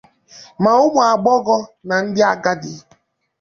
ma ụmụagbọghọ na ndị agadi